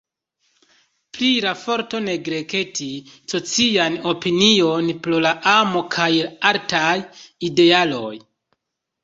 Pri la forto neglekti socian opinion pro la amo kaj la altaj idealoj.